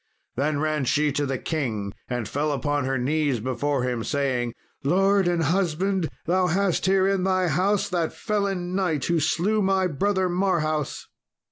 Then ran she to the king, and fell upon her knees before him, saying, "Lord and husband, thou hast here in thy house that felon knight who slew my brother Marhaus!"